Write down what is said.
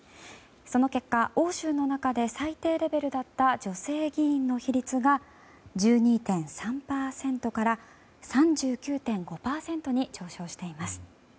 その結果欧州の中で最低レベルだった女性議員の比率が１２．３％から３９．５％に上昇しています。